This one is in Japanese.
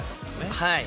はい。